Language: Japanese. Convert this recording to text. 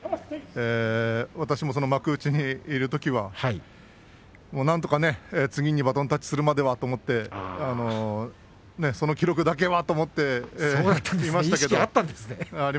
私もその幕内にいるときはなんとかね次にバトンタッチするまではと思って、その記録だけはと思っていました。